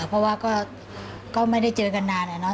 เพราะว่าก็ไม่ได้เจอกันนานอะเนาะ